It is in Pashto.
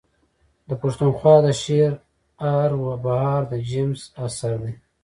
د پښتونخوا د شعرهاروبهار د جيمز اثر دﺉ.